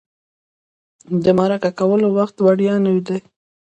د مرکه کولو وخت وړیا نه دی.